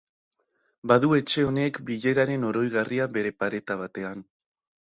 Badu etxe honek bileraren oroigarria bere pareta batean.